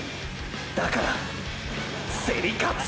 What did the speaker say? だから競り勝つ！！